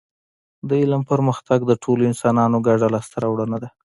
د علم پرمختګ د ټولو انسانانو ګډه لاسته راوړنه ده